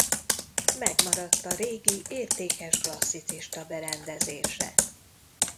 Megmaradt a régi értékes klasszicista berendezése.